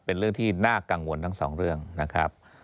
เป็นเรื่องที่น่ากังวลทั้งสองเรื่องนะครับ